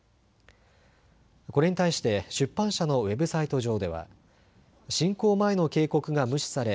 これに対して出版社のウェブサイト上では侵攻前の警告が無視され